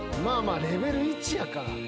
レベル１やから。